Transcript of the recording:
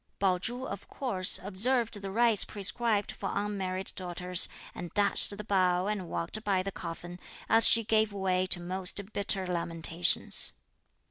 Pao chu, of course, observed the rites prescribed for unmarried daughters, and dashed the bowl and walked by the coffin, as she gave way to most bitter lamentations.